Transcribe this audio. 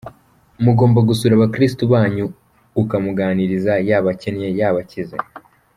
Mugomba gusura abakristo banyu, ukamuganiriza, yaba akennye, yaba akize.